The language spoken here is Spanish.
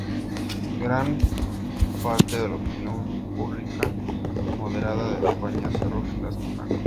Gran parte de la opinión pública moderada de España cerró filas con Franco.